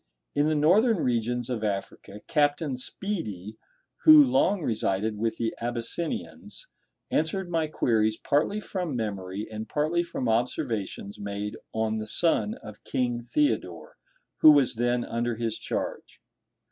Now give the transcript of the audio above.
In the northern regions of Africa Captain Speedy, who long resided with the Abyssinians, answered my queries partly from memory and partly from observations made on the son of King Theodore, who was then under his charge.